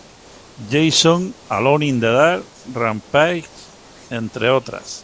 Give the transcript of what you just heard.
Jason, Alone in the Dark, Rampage, entre otras.